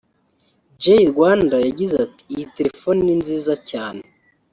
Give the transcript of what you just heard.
Jay Rwanda yagize ati “Iyi telefoni ni nziza cyane